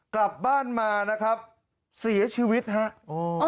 กลับบ้านมานะครับเสียชีวิตฮะโอ้